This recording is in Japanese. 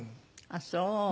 あっそう。